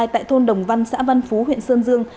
tại thôn đồng văn xã văn phú huyện sơn dương